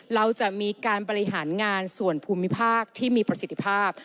เราจะมีการบริหารงานส่วนภูมิภาคที่มีประสิทธิภาพ